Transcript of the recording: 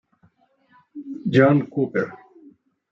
John Cooper